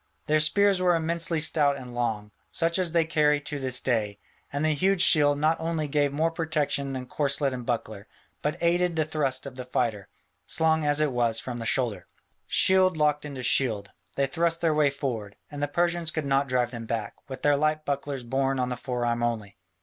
Their spears were immensely stout and long, such as they carry to this day, and the huge shield not only gave more protection than corslet and buckler, but aided the thrust of the fighter, slung as it was from the shoulder. Shield locked into shield, they thrust their way forward; and the Persians could not drive them back, with their light bucklers borne on the forearm only.